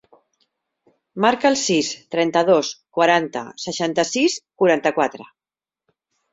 Marca el sis, trenta-dos, quaranta, seixanta-sis, quaranta-quatre.